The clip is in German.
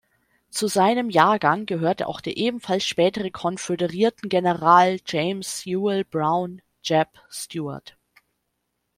Zu seinem Jahrgang gehörte auch der ebenfalls spätere Konföderierten-General James Ewell Brown "Jeb" Stuart.